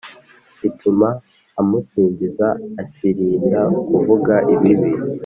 ituma amusingiza, akirinda kuvuga ibibi,